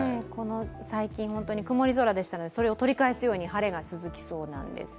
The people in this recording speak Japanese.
最近曇り空でしたので、それを取り返すように晴れが続きそうなんです。